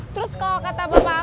terus kalau kata bapak kak